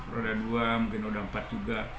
roda dua mungkin roda empat juga